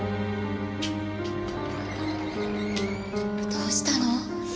どうしたの？